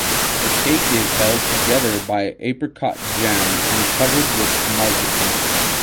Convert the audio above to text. The cake is held together by apricot jam and covered with marzipan.